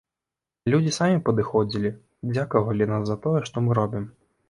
Людзі самі падыходзілі, дзякавалі нас за тое, што мы робім.